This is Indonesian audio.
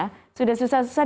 kita sudah susah susah